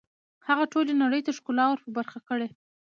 هغه ټولې نړۍ ته ښکلا ور په برخه کړه